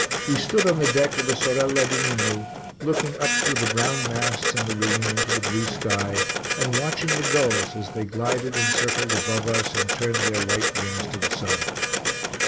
We stood on the deck of the Sorella di Ninu, looking up through the brown masts and the rigging into the blue sky, and watching the gulls as they glided and circled above us and turned their white wings to the sun.